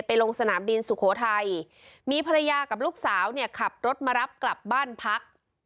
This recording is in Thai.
ลงสนามบินสุโขทัยมีภรรยากับลูกสาวเนี่ยขับรถมารับกลับบ้านพัก